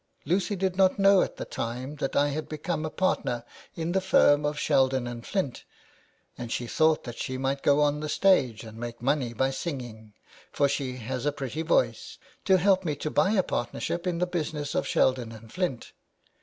Lucy did not know at the time that I had become a partner in the firm of Sheldon and Flint, and she thought that she might go on the stage and make money by singing, for she has a pretty voice, to help me to buy a partnership in the business of Sheldon and Flint.